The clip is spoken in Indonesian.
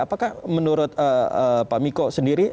apakah menurut pak miko sendiri